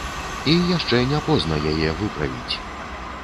І яшчэ не позна яе выправіць.